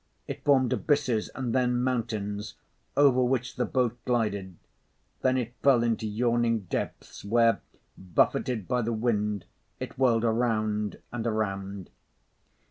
It formed abysses and then mountains, over which the boat glided, then it fell into yawning depths where, buffeted by the wind, it whirled around and around.